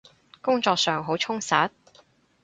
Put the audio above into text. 工作上好充實？